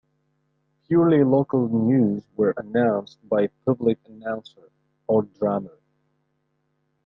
Purely local news were announced by a public announcer or drummer.